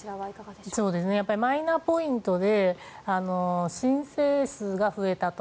マイナポイントで申請数が増えたと。